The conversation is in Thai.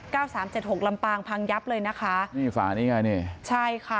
สามเจ็ดหกลำปางพังยับเลยนะคะนี่ฝานี้ไงนี่ใช่ค่ะ